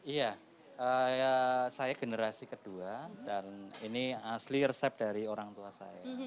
iya saya generasi kedua dan ini asli resep dari orang tua saya